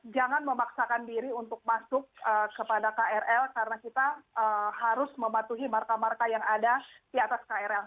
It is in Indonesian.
jangan memaksakan diri untuk masuk kepada krl karena kita harus mematuhi marka marka yang ada di atas krl